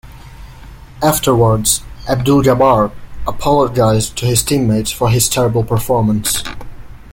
Afterwards, Abdul-Jabbar apologized to his teammates for his terrible performance.